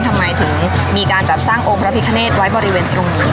ทำไมถึงมีการจัดสร้างองค์พระพิคเนตไว้บริเวณตรงนี้